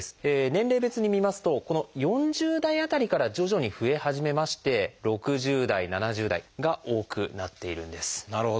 年齢別に見ますとこの４０代辺りから徐々に増え始めまして６０代７０代が多くなっているんです。